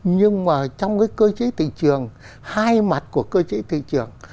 nhưng mà trong cái cơ chế thị trường hai mặt của cơ chế thị trường